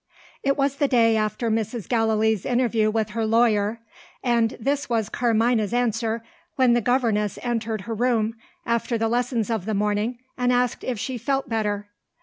It was the day after Mrs. Gallilee's interview with her lawyer and this was Carmina's answer, when the governess entered her room, after the lessons of the morning, and asked if she felt better.